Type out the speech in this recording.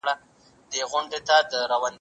پردي افکار بايد په ړوند ډول ونه منو.